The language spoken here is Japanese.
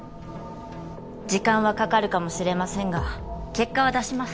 時間はかかるかもしれませんが結果は出します